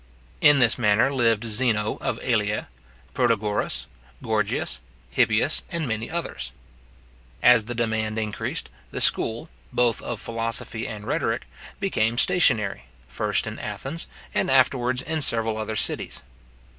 In this manner lived Zeno of Elea, Protagoras, Gorgias, Hippias, and many others. As the demand increased, the school, both of philosophy and rhetoric, became stationary, first in Athens, and afterwards in several other cities.